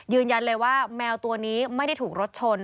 ยืนยันเลยว่าแมวตัวนี้ไม่ได้ถูกรถชน